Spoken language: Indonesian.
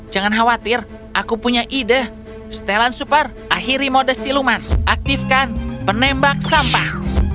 jangan khawatir aku punya ide setelan super akhiri mode siluman aktifkan penembak sampah